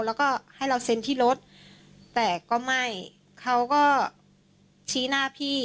แล้วก็ให้เราเซ็นที่รถแต่ก็ไม่เขาก็ชี้หน้าพี่